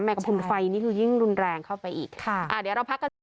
กระพุนไฟนี่คือยิ่งรุนแรงเข้าไปอีกค่ะอ่าเดี๋ยวเราพักกันต่อ